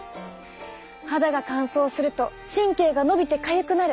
肌が乾燥すると神経が伸びてかゆくなる。